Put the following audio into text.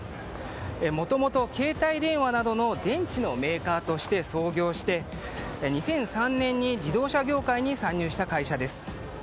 もともと携帯電話などの電池のメーカーとして創業して２００３年に自動車業界に参入した会社です。